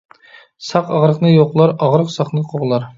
ساق ئاغرىقنى يوقلار، ئاغرىق ساقنى قوغلار.